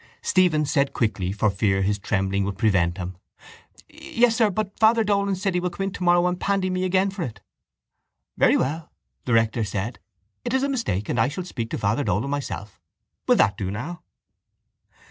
Stephen said quickly for fear his trembling would prevent him: —Yes, sir, but Father Dolan said he will come in tomorrow to pandy me again for it. —Very well, the rector said, it is a mistake and I shall speak to Father Dolan myself. Will that do now?